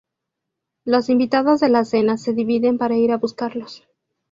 Los invitados de la cena se dividen para ir a buscarlos.